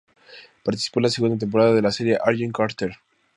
Participó en la segunda temporada de la serie "Agent Carter".